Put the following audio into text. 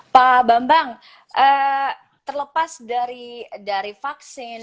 pak bambang terlepas dari vaksin